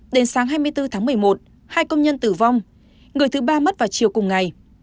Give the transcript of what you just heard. đến sáng hai mươi bốn tháng một mươi một hai công nhân tử vong người thứ ba mất vào chiều cùng ngày